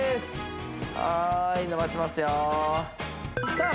はーい伸ばしますよさあ